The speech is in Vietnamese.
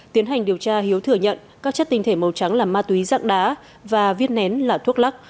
tiến hành điều tra hiếu thừa nhận các chất tinh thể màu trắng là ma túy dạng đá và viên nén là thuốc lắc